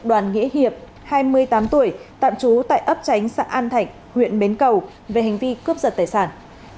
đoàn nghĩa hiệp hai mươi tám tuổi tạm trú tại ấp tránh xã an thạnh huyện bến cầu về hành vi cướp giật tài sản